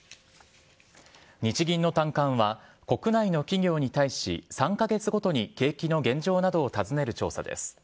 日銀の短観は、国内の企業に対し３か月ごとに景気の現状などを尋ねる調査です。